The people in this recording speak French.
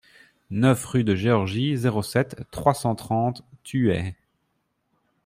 neuf rue de Georgie, zéro sept, trois cent trente Thueyts